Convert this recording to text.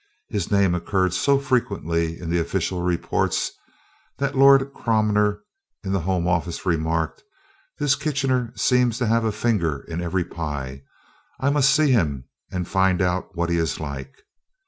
His name occurred so frequently in the official reports, that Lord Cromer, in the home office, remarked: "This Kitchener seems to have a finger in every pie. I must see him and find out what he is like."